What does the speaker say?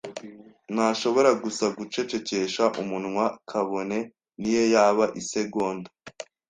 Ntashobora gusa gucecekesha umunwa, kabone niyo yaba isegonda.